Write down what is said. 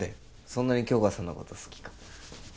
そんなに杏花さんのこと好きか？